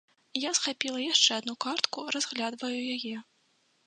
Я схапіла яшчэ адну картку, разглядваю яе.